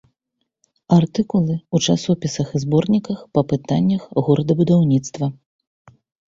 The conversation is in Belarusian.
Артыкулы ў часопісах і зборніках па пытаннях горадабудаўніцтва.